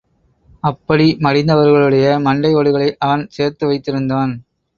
அப்படி மடிந்தவர்களுடைய மண்டை ஓடுகளை அவன் சேர்த்து வைத்திருந்தான்.